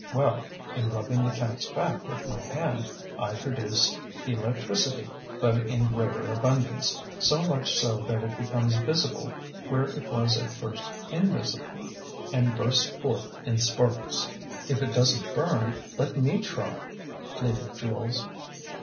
Well, in rubbing the catŌĆÖs back with my hand I produce electricity, but in greater abundance, so much so that it becomes visible where it was at first invisible, and bursts forth in sparks. ŌĆØ ŌĆ£If it doesnŌĆÖt burn, let me try, ŌĆØ pleaded Jules.